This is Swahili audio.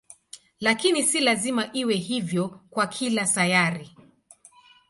Lakini si lazima iwe hivyo kwa kila sayari.